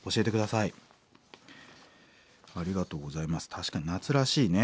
確かに夏らしいね